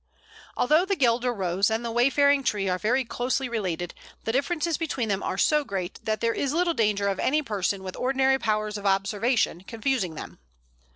Although the Guelder Rose and the Wayfaring tree are very closely related, the differences between them are so great that there is little danger of any person with ordinary powers of observation confusing them.